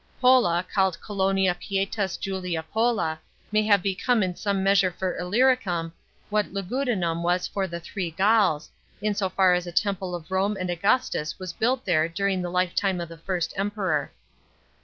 Pola, called Colonia Pietas Julia Pola; may have become in some measure for lllyricum, what Luguj dunum was for the Three Gauls, in so far as a temple of Rome and Augustus was built there during the lifetime of the first Emperor.